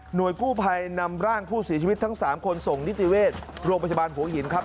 หน่วยกู้ภัยนำร่างผู้สีชีวิตทั้ง๓คนส่งนิจเวทโรคปัจจุบันหัวหินครับ